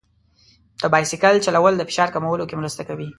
د بایسکل چلول د فشار کمولو کې مرسته کوي.